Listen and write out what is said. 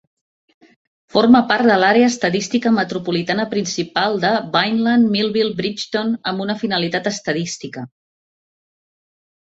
Forma part de l'Àrea estadística metropolitana principal de Vineland-Millville-Bridgeton amb una finalitat estadística.